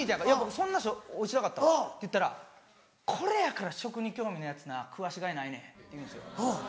「そんなおいしなかったわ」って言ったら「これやから食に興味ないヤツな食わしがいないねん」って言うんですよ。